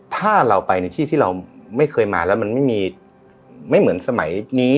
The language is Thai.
ถ้าเราไปในที่ที่เราไม่เคยมาแล้วมันไม่มีไม่เหมือนสมัยนี้